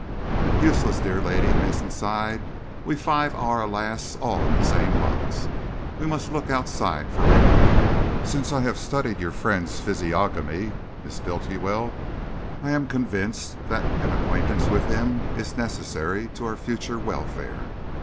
"Useless, dear lady," Mason sighed. "We five are, alas! all in the same box. We must look outside for relief. Since I have studied your friend's physiognomy, Miss Bultiwell, I am convinced that an acquaintance with him is necessary to our future welfare.